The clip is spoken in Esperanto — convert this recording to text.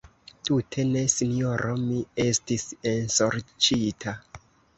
Tute ne, sinjoro: mi estis ensorĉita.